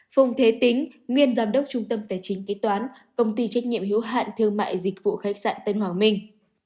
phùng thế tính nguyên giám đốc trung tâm tài chính kế toán công ty trách nhiệm hiếu hạn thương mại dịch vụ khách sạn tân hoàng minh